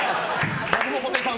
僕も布袋さん